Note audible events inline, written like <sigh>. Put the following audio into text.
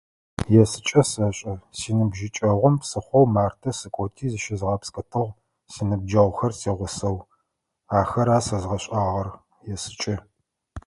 <noise> Есыкӏэ сэшӏэ. Синыбжьыкӏгъум псыхъоу Мартэ сыкӏоти зыщызгъэпскӏыщтыщтыгъ синыбджэгъухэр сигъусэу. Ахэр ары сэзгъэшӏагъэр есыкӏэ.